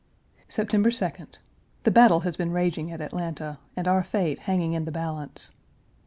September 2d. The battle has been raging at Atlanta,1 and our fate hanging in the balance.